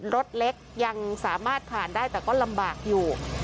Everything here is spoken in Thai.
รถเล็กยังสามารถผ่านได้แต่ก็ลำบากอยู่